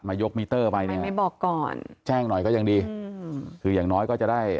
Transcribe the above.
ยกมิเตอร์ไปเนี่ยไม่บอกก่อนแจ้งหน่อยก็ยังดีอืมคืออย่างน้อยก็จะได้